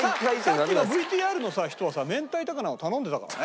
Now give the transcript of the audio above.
さっきのＶＴＲの人はさ明太高菜を頼んでたからね。